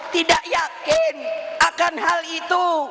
tidak yakin akan hal itu